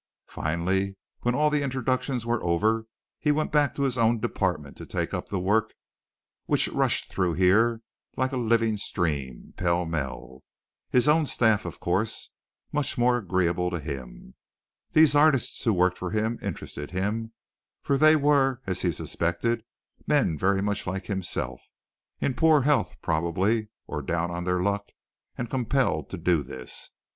Finally when all the introductions were over he went back to his own department, to take up the work which rushed through here like a living stream, pellmell. His own staff was, of course, much more agreeable to him. These artists who worked for him interested him, for they were as he suspected men very much like himself, in poor health probably, or down on their luck and compelled to do this.